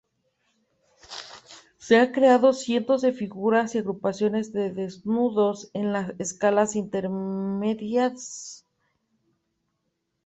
Se ha creado cientos de figuras y agrupaciones de desnudos en las escalas intermedias.